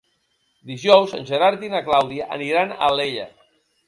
Dijous en Gerard i na Clàudia aniran a Alella.